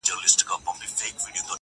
د باز له ځالي باز پاڅېږي.